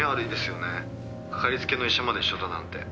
「かかりつけの医者まで一緒だなんて」